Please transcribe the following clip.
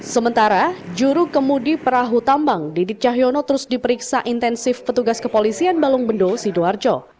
sementara juru kemudi perahu tambang didit cahyono terus diperiksa intensif petugas kepolisian balungbendo sidoarjo